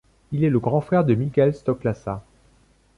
Il est le grand frère de Michael Stocklasa.